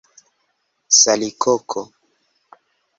salikoko